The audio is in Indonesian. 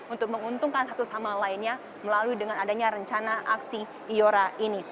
untuk menguntungkan satu sama lainnya melalui dengan adanya rencana aksi iora ini